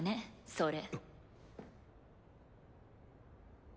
それ。